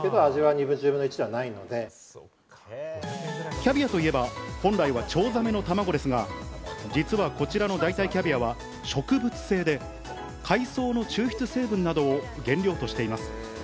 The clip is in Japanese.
キャビアといえば本来はチョウザメの卵ですが、実はこちらの代替キャビアは植物性で、海藻の抽出成分などを原料としています。